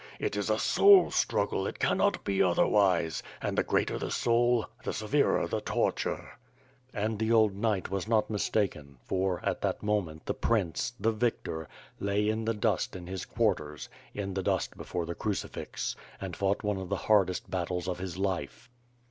It is a soul struggle, it cannot be otherwise; and the greater the soul, the severer the torture. .." And the old knight was not mistaken for, at that moment the prince, the victor, lay in the dust in his quarters, in the dust before the crucifix, and fought one of the hardest battles of his life.